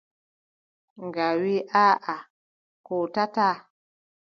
Nga wii: aaʼa en kootataa.